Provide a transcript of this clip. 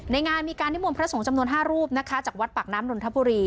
งานมีการนิมนต์พระสงฆ์จำนวน๕รูปนะคะจากวัดปากน้ำนนทบุรี